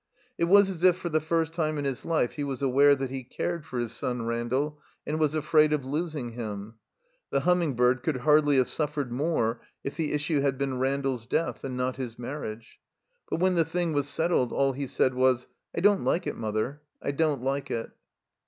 It was as if for the first time in his life he was aware that he cared for his son Randall and was afraid of losing him. The Humming bird cotild hardly have suffered more if the issue had been Randall's death and not his marriage. But when the thing was set tled, all he said was, ''I don't like it. Mother, I don't like it."